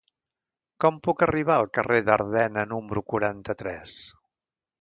Com puc arribar al carrer d'Ardena número quaranta-tres?